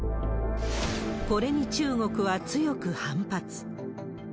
これに中国は強く反発。